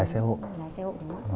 lái xe hộ đúng không ạ